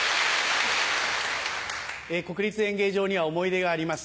国立演芸場には思い出があります。